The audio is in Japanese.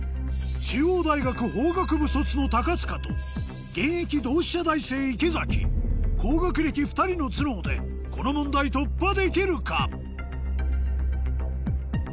中央大学法学部卒の塚と現役同志社大生池高学歴２人の頭脳でこの問題突破できるか？